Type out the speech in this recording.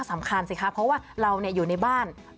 สำคัญสิคะเพราะว่าเราอยู่ในบ้าน